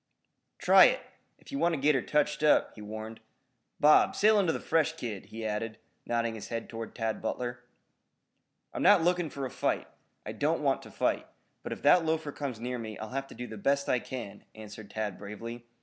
"Try it, if ye want ter git touched up," he warned. "Bob, sail into the fresh kid," he added, nodding his head toward Tad Butler. "I'm not looking for a fight I don't want to fight, but if that loafer comes near me I'll have to do the best I can," answered Tad bravely.